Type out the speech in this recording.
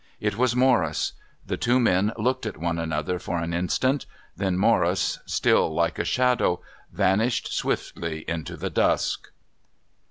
It was Morris. The two men looked at one another for an instant, then Morris, still like a shadow, vanished swiftly into the dusk.